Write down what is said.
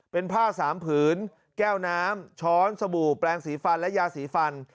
เป็นผ้าสามผืนแก้วน้ำช้อนสบู่แปลงสีฟันและยาสีฟัน